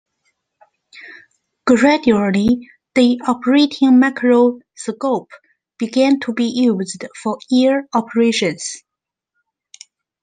Gradually the operating microscope began to be used for ear operations.